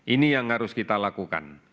ini yang harus kita lakukan